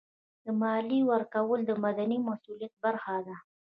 د مالیې ورکول د مدني مسؤلیت برخه ده.